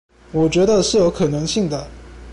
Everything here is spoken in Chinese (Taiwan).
我覺得是有可能性的